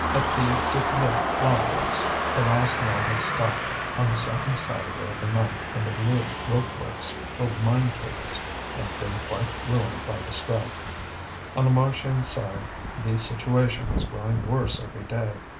At the Dutilleul flour works the last mill had stopped on the second Saturday of the month, and the Bleuze rope works, for mine cables, had been quite ruined by the strike. On the Marchiennes side the situation was growing worse every day.